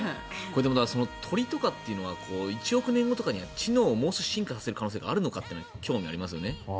鳥とかって１億年後には知能をもっと進化させる可能性があるのかって興味ありますよね。